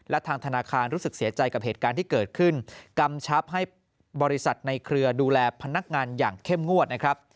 และทางธนาคารรู้สึกเสียใจกับเหตุการณ์ที่เกิดขึ้นกำชับให้บริษัทในเครือดูแลพนักงานอย่างเข้มงวดนะครับ